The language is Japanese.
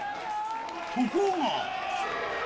ところが。